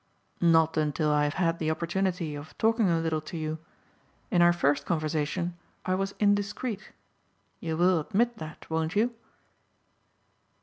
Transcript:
"Not until I have had the opportunity of talking a little to you. In our first conversation I was indiscreet. You will admit that, won't you?"